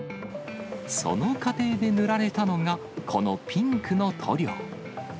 その過程で塗られたのが、このピンクの塗料。